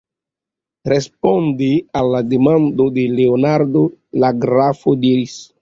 Responde al demando de Leonardo, la grafo diris: